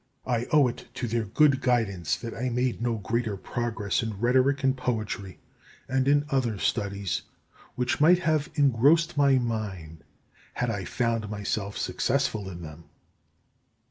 I owe it to their good guidance that I made no greater progress in rhetoric and poetry, and in other studies which might have engrossed my mind had I found myself successful in them.